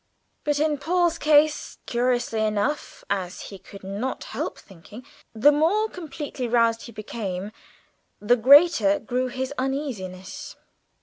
But in Paul's case, curiously enough, as he could not help thinking, the more completely roused he became, the greater grew his uneasiness.